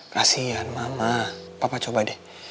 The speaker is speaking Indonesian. kasian mama papa coba deh